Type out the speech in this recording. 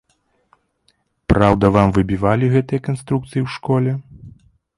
Праўда вам выбівалі гэтыя канструкцыі ў школе?